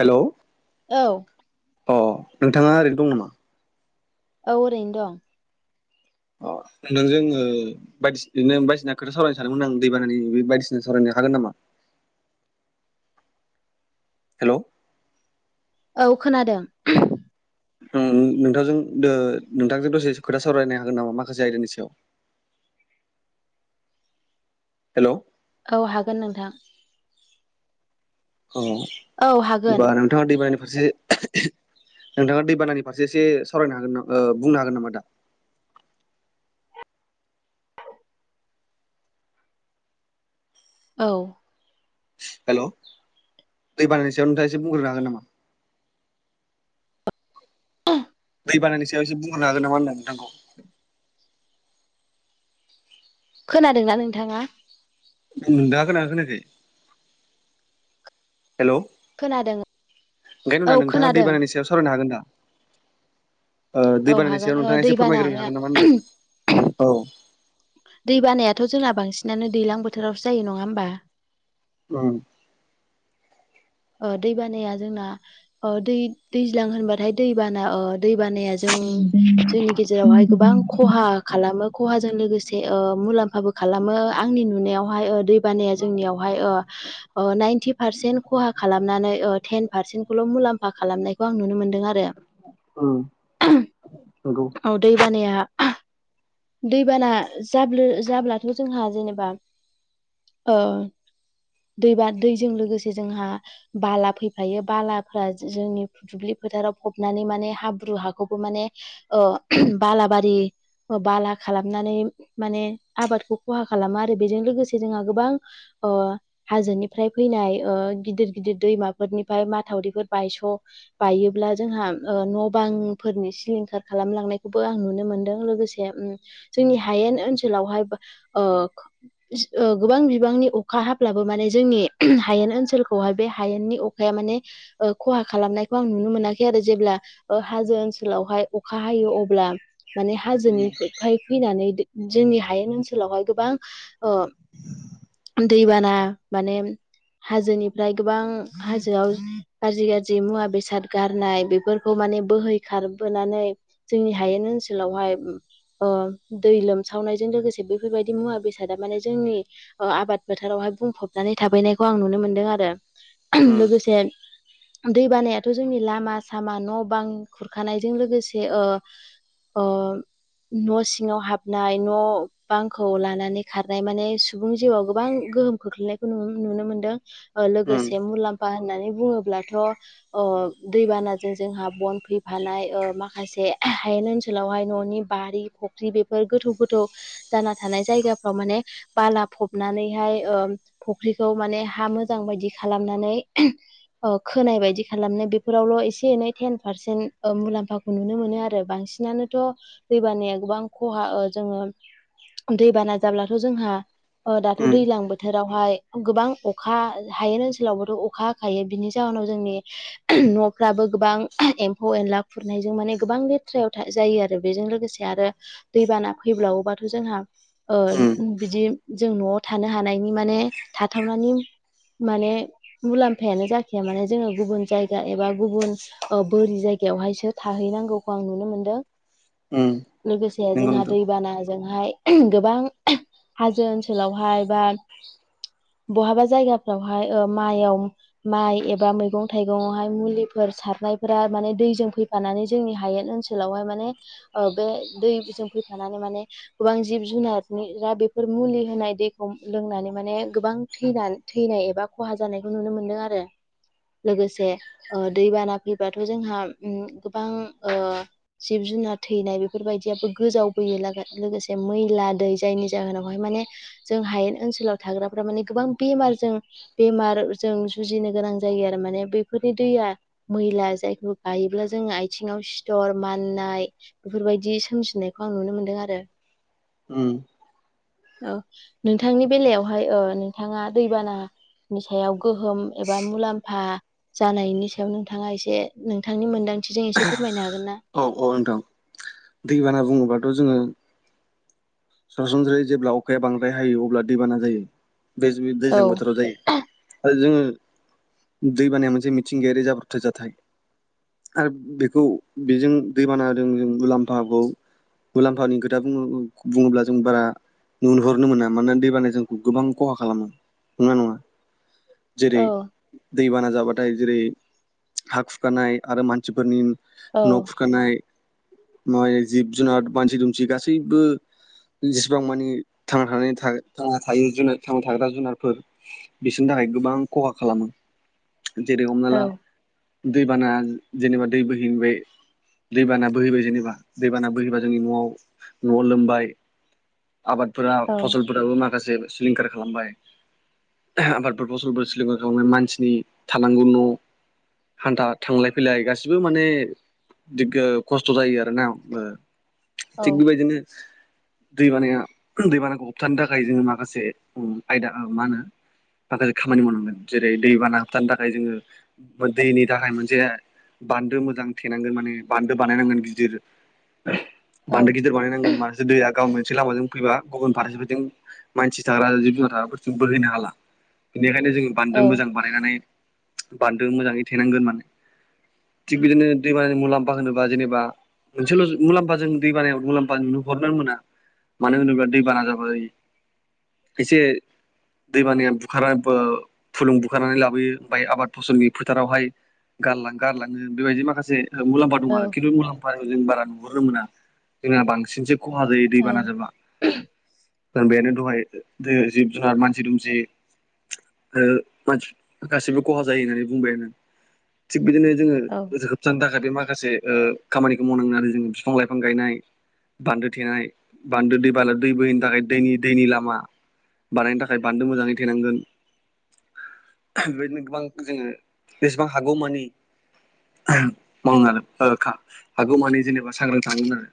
हेल' औ अ नोंथांआ ओरैनो दं नामा? औ ओरैनो दं अह नों जोङो ओ बायदि बायदिसिना खोथा सावरायनो सानदोंमोन आं दैबानानि बे बायदिसिना सावरायनो हागोन नामा? [inaudible] हेल' औ खोनादों नोंथांजों दो नोंथांजों दसे खोथा सावरायनो हागोन नामा माखासे आयदानि सायाव [inaudible] हेल' औ हागोन नोंथां औ औ हागोन होनोमबा नोंथाङा दैबानानि फारसे ओह नोंथांआ दैबानानि फारसे एसे सावरायनो हागोनामा ओ बुंनो हागोन नामा दा [inaudible] औ हेल' दै बानानि सायाव नोंथां एसे बुंग्रोनो हागोन नामा? [inaudible] दै बानानि सायाव एसे बुंहरनो हागोन नामा होनदों आं नोंथांखौ खोनादोंना नोंथांआ दाखोनखोनाख [unintelligible] हेलौ खोनादों ओंखायनो औ होनबा नोंथांआ खोनादों दैबानानि सायाव सावरायनो हागोन दा ओ दै औ बानानि हागोन सायाव ओ नोंथाङा एसे फोरमायग्रोनो दैबानाया हागोन नामा होनदां औ दै बानायाथ' जोंना बांसिनानो दै्लां बोथोरावसो जायो नङा होमबा ओम ओ दै बानाआ जोंना ओ दै दैज्लां होनबाथाय दैबाना ओ दै बानाया जों ओम जोंनि गेजेरावहाय गोबां खहा खालामो खहाजों लोगोसे ओ मुलाम्फाबो खालामो मो आंनि नुनायावहाय ओ दैबानाआ जोंनिआवहाय ओ नाइनथिफारसेन खहा खालामो खालामनानै ओ थैन पारसेन्टखौल' मुलाम्फा खालामनायखौ आं नुनो मोनदों आरो ओम ओह दैबानाआ आह दैबाना जाबब्लो जाब्लाथ' जोंहा जेनोबा ओ दैबा दैजों लोगोसे जोंहा बाला फैफायो बालाफ्रा जोंनि दुब्लि फोथाराव फ'बनानै माने हाब्रु हाखौबो माने ओ ओम बालााबारि बाला खालामनानै माने आबादखौ खहा खालामो आरो बेजों लोगोसे जोंहा गोबां ओ हाजोनिफ्राय फैनाय ओ गिदिर गिदिर दैमाफोरनिफ्राय माथावरिफोर बायस' बायोब्ला जोंहाओ न' बांफोरनि सिलिंखार खालामलांनायखौबो आं नुनो मोनदों लोगोसे उम जोंनि हायेन ओनसोलावहाय ओ ओ गोबां बिबांनि अखा हाब्लाबो माने जोंनि हायेन ओनसोलखौहाय उम बे हायेननि अखाआ माने ओ खहा खालामनायखौ आं नुनो मोनाखै आरो जेब्ला ओ हाजो ओनसोलाव बावहाय अखा हायो अब्ला माने उम हाजोनिफाय फैनानै जोंनि हायेन ओनसोलावहाय गोबां ओ दैबाना माने हाजोनि आमफ्राय गोबां हाजोआव गाज्रि गाज्रि मुवा बेसाद गारनाय बेफोरखौ माने बोहैखा बारबोनानै जोंनि हायेन ओनसोलावहाय ओ दै लोमसावनायजों लोगोसे बेफोरबायदि मुवा बेसादा मानि जोंनि ओ आबाद फोथारावहाय बुंफबनानै थाफैनायखौ आं नुनो मोनदों आरो ओ उम लोगोसे दै बानायाथ' जोंनि लामा सामा न' बां खुरखानायजों लोगोसे ओ ओ न' सिङाव हाबनाय न' बांखौ लानानै खारनाय माने सुबुं जिउआव गोबां गोहोम खोख्लैनायखौ नुनो मोनदों। लोगोसे मुलाम्फा होननानै बुङोब्लाथ' ओ दैबानाजों जोंहा बन फैफानाय माखासे ओनोलावहाय न'नि बारि फख्रि बेफोर गोथौ गोथौ जाना थानाय जायगाफ्राव माने बाला फबनानैहाय ओ फख्रिखौ माने हा मोजां मोजां बायदि खालामनानै ओ खोनाय बायदि खालामनो बेफोरावल' एसे एनै टेन पारसेन्ट ओ मुलाम्फाखौ नुनो मोनो आरो बांसिनानोथ' दैबानाया गोबां खहा जोङो दैबाना जाब्लाथ' जोंहा ओ दाथ' उम दैजलां बोथोरावहाय गोबां अखा हायेन ओनसोलावबोथ' अखा हाखायो बिनि जाहोनाव जोंनि न'फ्राबो गोबां एम्फौ एनला ला खुरनायजों माने गोबां लेथ्रायाव जायो आरो बेजों लोगोसे आरो दैबाना फैब्लावोबाथ' जोंहा ओ उम बिदि जों न'आव थानो हानायनि माने थाथावनायनि माने मुलाम्फायानो जाखाया माने जोङो गुबुन जायगा एबा गुबुन बोरि जायगा बेवहायसो थाहैनांगौखौ आं नुनो मोनदों उम लोगोसे नंगौ जोंहा नोंथां दैबाना जोंहाय गोबां हाजो ओनसोलावहाय बा बहाबा जायगा फ्रावहाय ओ माइआव माइ एबा मैगं थाइगंआवहाय मुलिफोर सारनायफोरा माने दै दै जों फैफानानै जोंनि हायेन ओनसोलावहाय माने ओ बे दै जों फैफानानै माने गोबां जिब जुनारनि जा बेफोर मुलि होनाय दैखौ लोंनानै माने गोबां थैना थैनाय एबा खहा जानायखौ नुनो मोनदों आरो। लोगोसे ओ दैबाना फैबाथ' जोंहा गोबां ओ जिब जुन जुनार थैनाय बेफोरबायदियाबो गोजावबोयो लागो-लोगोसे मैला दै जायनि जाहोनावहाय माने जों हायेन ओनसोलाव थाग्राफ्रा माने गोबां बेमार जों बेमार जों जुजिनो गोनां जायो आरो माने बेफोरनि दैया मैला जायखौ गायोब्ला जों आइथिङाव सिथर माननाय बेफोरबायदि सोमजिनायखौ आं नुनो मोनदों आरो। उम। औ नोंथांनि बेलायावहाय ओ नोंथाङा दैबाना नि सायाव गोहोम एबा मुलाम्फा जानायनि सायाव नोंथाङा एसे नोंथांनि मोन्दांथिजों एसे फोरमायनो हागोन ना? अ नोंथां दैबाना बुङोबाथ' जोङो सरासनस्रायै जेब्ला अखाया बांद्राय हायो अब्ला दैबाना जायो। बेज बि दैज्लां औ बोथोराव जायो आरो जोङो दैबानाया मोनसे मिथिंगायारि जाब्रबथाय जाथाय। आरो बेखौ बेजों दैबानादों जों मुलाम्फाखौ मुलाम्फानि खोथा बुङो बुङोब्ला जों बारा नुनहरनो मोना मानोना दैबानाय जोंखौ गोबां खहा खालामो नंगोना नङा? जेरै औ दैबाना जाबाथाय जेरै हा खुरखानाय आरो मानसिफोरनि औ मायि जिब जुनार मानसि दुमसि गासैबो जेसेबां मानि थांना थानायनि था थांना थायो जुनो थांना थाग्रा जुनारफोर बिसोरनि था खाय गोबां खहा खालामो जेरै हमना औ ला दै बाना जेनेबा दै बोहैबाय दैबाना बोहैबाय जेनेबा दैबाना बोहैबा जोंनि न'आव न'आव लोमबाय आबादफोरा औ औ फसलफोराबो माखासे सिलिंखार खालामबाय। आबादफोर फसलफोर सलिंखार खालामनाय मानसिनि थानांगौ न' हान्था थांलाय फैलाय गासिबो माने दिगो खस्थ' जायो आरोना बो औ थिग बेबायदिनो दैबानाया दैबानाखौ होबथानो थाखाय जोङो माखासे आयदा मा होनो आदार खामानि मावनांगोन जेरै दैबाना होबथानो थाखाय जोङो दैनि थाखाय मोनसे बान्दो मोजां थेनांगोन माने बान्दो बानायनांगोन गिदिर औ बान्दो गिदिर बानायनांगोन होनबासो दैया गावनो मोनसे लामाजों फैबा गुबुन फारसेफोरथिं मानसि थाग्रा जिब जुनार थाग्राफोरथिं बोहैनो हाला बेनिखायनो जोङो बान्दो मोजां बानायनानै बान्दों मोजाङै थेनांगोन माने थिग बिदिनो दैबानानि मुलाम्फा होनोबा जेनेबा मोनसेल' मुलाम्फा जों दैबानायाव मुलाम्फा नुहरनो मोना मानो होनोब्ला दै बाना जाबा एसे दैबानाया बुखाराबो फुलुं बुखारनानै लाबोयो ओमफ्राय आबाद फसलनि फोथारावहाय गारलां गारलाङो बेबायदि माखा से ओ मुलामफा दं औ आरो खिथु मुलाम्फा जों बारा नुहुरनो मोना जोङा बांसिनसो खहा जायो दै औ बाना जाबा दानबायानो दहाय ओ जिब जुनार मानसि दुमसि ओ मानसि गासैबो खहा जायो होननानै बुंबाय आङो थिग बिदिनो जोंङो होबथानो थाखाय बे माखासे ओ ओ खामानिखौ मावनांगोन आरो जोङो बिफां लाइफां गायनाय बान्दो थेनाय बान्दो दैबाला दै बोहैनि थाखाय दैनि दैनि लामा बानायनो थाखाय बान्दो मोजाङै थेनांगोन बेबायदिनो गोबां जोङो बेसेबां हागौमानि मावनो हागौमानि जेनेबा सांग्रां थानोंगोन आरो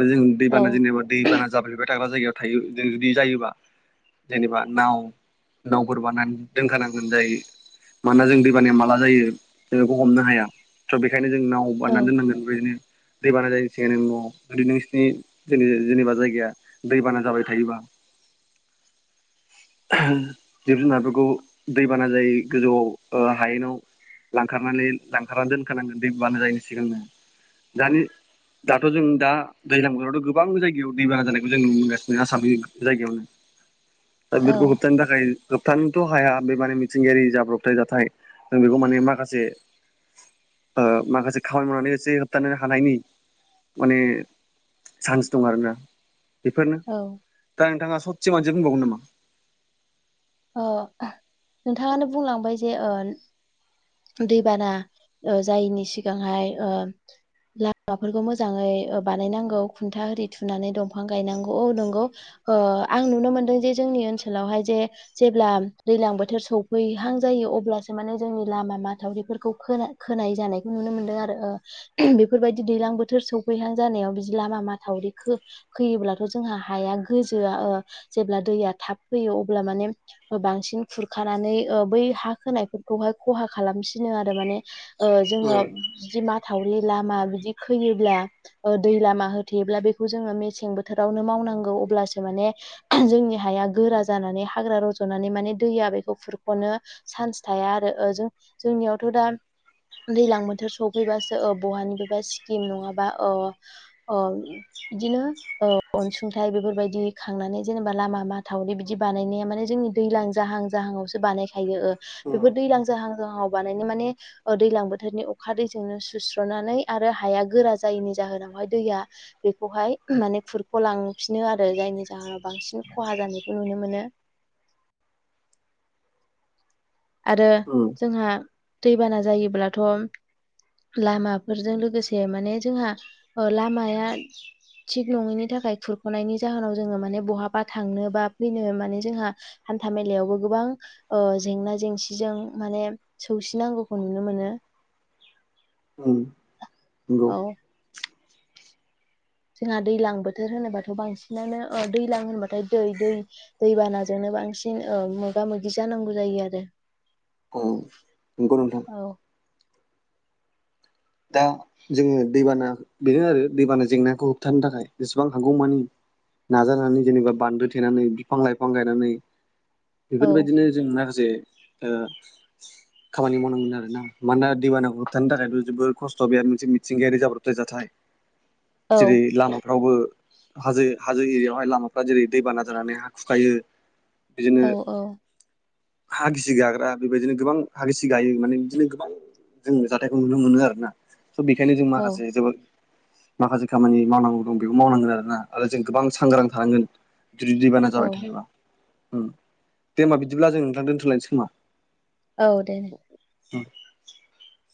आरो जों दैबाना जेनेबा दैबाना जाफ्लेबाय थाग्रा जायगायाव थायो जों जुदि जायोबा जेनेबा नाव नावफोर बानानै दोनखानांगोन जायो मानोना जों दैबानाया माला जायो जों बेखौ हमनो हाया थ' बेखायनो जों नाव बानना औ दोननांगोन बेदिनो दैबाना जायनि सिगां नों न'आव जुदि नोंसिनि ज जेनेबा जायगाया दैबाना जाबाय थायोबा [inaudible] जिब जुनारफोरखौ दैबाना जाय गोजौआव हायेनाव लांखारनानै लांखारनानै दोनखानांगोन दै बानो जायैनि सिगांनो दानि दाथ' जों दा दैज्लां बोथोरावथ' गोबां जायगायाव दैबाना जानायखौ जों नुनो मोनगासिनो आसामनि जायगायावनो दा बेफोरखौ औ होबथानो थाखाय होबथानो थ' हाया बे माने मिथिंगायारि जाब्रबथाय जाथाय जों बेखौ माने माखासे ओ माखासे खामानि मावनानै एसे होबथानो हानायनि माने चान्स दं आरोना बेफोरनो औ दा नोंथाङा ससे मानसि बुंबावगोन नामा नोंथाङानो बुंलांबाय जे दैबाना जायैनि सिगांहाय लामाफोरखौ मोजाङै बानायनांगौ खुन्था आररि थुनानै दंफां गायनांगौ औ नंगौ ओ आं नुनो मोनदों जे जोंनि ओनसोलावहाय जे जेब्ला दैलां बोथोर सौफैहां जायो अब्लासो माने जोंनि लामा माथावरिफोरखौ खोनाय जानायखौ नुनो मोनदों आरो बेफोरबायदि दैलां बोथोर सौ सौफैहां जानायाव बिदि लामा माथावरि खैयोब्लाथ' जोंहा हाया गोजोआ जेब्ला दै थाब फैयो अब्ला माने बांसिन खुरखानानै बै हा होनायफोरखौहाय खहा खालामसिनो आरो माने ओ जोङो बिदि माथ थावरि लामा बिदि खैयोब्ला दै लामा होथेयोब्ला बेखौ जोङो मेसें बोथोरावनो माव मवनांगौ जोंनि ह गोरा जानानै हाग्रा रज'नानै माने दैआ हनो चान्स थाया आरो जों जोंनियावथ' दा दैज्लां बोथोर सफैबासो बहानि बेबा स्किम नङाबा ओ बिदिनो अनसुंथाइ बेफोरबायदि खांनानै जेनेबा लामा मा थावरि बिदि बानायनाया माने जों दैज्लां जाहां जाहां आवसो बानायायो बे उम दैलां जाहां जाहां आव बानायनाय माने दैज्लां बोथोरनि अखा दैजोंनो सुस्रनानै आरो हाया गोरा जायैनि जाहोनावहाय दैआ बेखौहाय माने खुरख'लांफिनो आरो जायनि जाहोनाव बांसि सिन खहा जानायखौ नुनो मोनो। [inaudible] आरो जोंहा दैबाना जायोब्लाथ' लामाफोरजों लोगोसे माने ओ जोंहा लामाया थिग नङैनि थाखाय खुरख'नायनि जाहोनाव जोङो माने बहाबा थांनो बा फैनो माने जोंहा हान्था मेलायावबो गोबां ओ जेंना जेंसिजों मान सौसिनांगौखौ नुनो मोनो। उम नंगौ। औ जोंहा दैज्लां बोथोर होनोबाथ' बांसिनानो दैजलां होनबाथाय दै दै दैबानाजोंनो बांसिन मोगा मोगि जानांगौ जायो आरो औ नोंगौ नोथां। दा जोङो दैबाना बेनो आरो दैबाना जेंनाखौ होबथानो थाखाय जेसेबां हागौमानि। नाजानानै जेनेबा बान्दो थेनानै बिफां लाइफां गायनानै औ बेफोरबायदिनो जों ना जे खामानि मावनांगोन आरोना मानोना दैबानाखौ होबथानो थाखायथ' जोबोद खस्थ' बि मोनसे मिथिंगायारि जाब्रबथाय जाथाय औ जेरै लामा रावबो हाजो हाजो एरिायावहाय लामाफ्रा जेरै दैबाना जानानै हा खुखायो। औ औ हा गिसि गाग्रा बेबायदिनो गोबां हा गिसि गायो माने बिदिनो गोबां जों जाथाइखौ नुनो मोनो आरो ना। बेखायनो जों औ माखासे जोबोद माखासे खामानि मावनांगौ दं बेबो मावनांगोन आरोना आरो जों गोबां सांग्रां थानांगोन। जुदि दैबाना जाबाय औ थायोबा ओम दे होमबा बिदिब्ला जों नोंथां दोन्थ'लायनोसै खोमा। औ दे। [unintelligible]